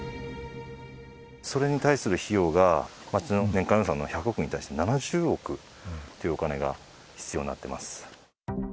それに対する費用が町の年間予算の１００億に対して７０億っていうお金が必要になってます。